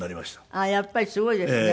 ああーやっぱりすごいですね。